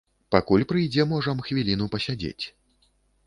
Пакуль прыйдзе, можам хвіліну пасядзець.